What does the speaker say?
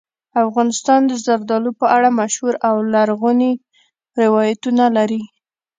افغانستان د زردالو په اړه مشهور او لرغوني روایتونه لري.